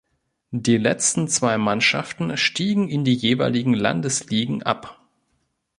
Die letzten zwei Mannschaften stiegen in die jeweiligen Landesligen ab.